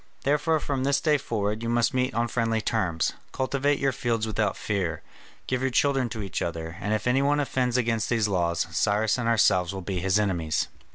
Therefore from this day forwards you must meet on friendly terms, cultivate your fields without fear, give your children to each other, and if any one offends against these laws, Cyrus and ourselves will be his enemies."